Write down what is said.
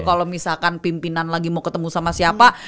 kalau misalkan pimpinan lagi mau ketemu sama siapa